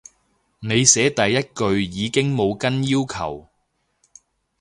你寫第一句已經冇跟要求